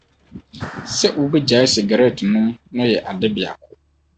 • Sɛ́ wubegyae sigaretnom no yɛ ade biako.